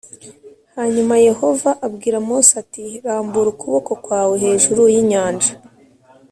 Hanyuma yehova abwira mose ati rambura ukuboko kwawe hejuru y inyanja